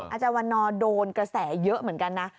อาจารย์วันนอร์โดนกระแสเยอะเหมือนกันนะ